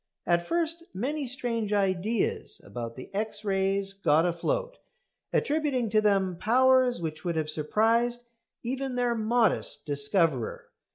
At first many strange ideas about the X rays got afloat, attributing to them powers which would have surprised even their modest discoverer.